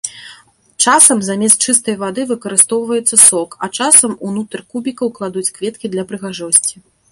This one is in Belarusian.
Часам замест чыстай вады выкарыстоўваецца сок, а часам ўнутр кубікаў кладуць кветкі для прыгажосці.